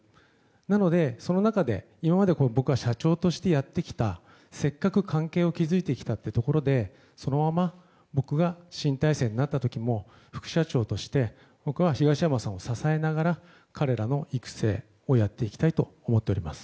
なので、その中で今まで僕が社長としてやってきたせっかく関係を築いてきたというところでそのまま僕が新体制になった時も副社長として東山さんを支えながら彼らの育成をやっていきたいと思っております。